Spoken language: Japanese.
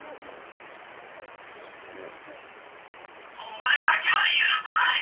「お前だけは許さない！」。